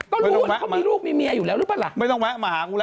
ก็รู้เขามีลูกมีเมียอยู่แล้วหรือเปล่าล่ะ